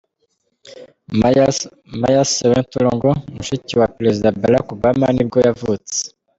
Maya Soetoro-Ng, mushiki wa perezida Barack Obama nibwo yavutse.